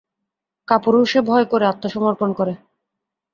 কাপুরুষে ভয় করে, আত্মসমর্থন করে।